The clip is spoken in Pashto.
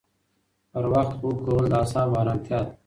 پر وخت خوب کول د اعصابو ارامتیا ده.